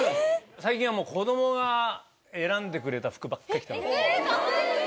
最近は子供が選んでくれた服ばっかり着てます。